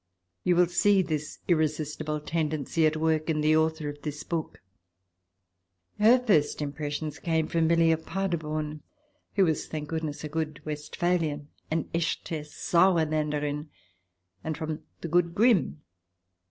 You will see this irresistible tendency at work in the author of this book. Her first impressions came from Milly of Paderborn, who was, thank goodness, a good Westphalian, an echte Saeurlaenderin — and from the good Grimm